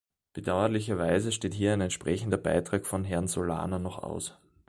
Bedauerlicherweise steht hier ein entsprechender Beitrag von Herrn Solana noch aus.